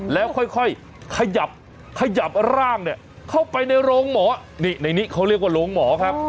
แล้วค่อยขยับขยับร่างเนี่ยเข้าไปในโรงหมอนี่ในนี้เขาเรียกว่าโรงหมอครับ